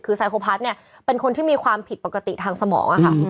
คือไซโครพัสเนี่ยเป็นคนที่มีความผิดปกติทางสมองค่ะ